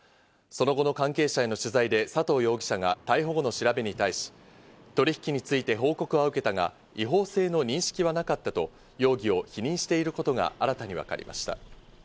その後の関係者への取材で佐藤容疑者が逮捕後の調べに対し、取引について報告は受けたが、違法性の認識はなかったと容疑を否認していることが新たに分かりました。